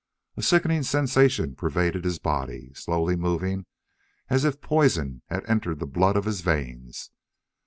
A sickening sensation pervaded his body, slowly moving, as if poison had entered the blood of his veins.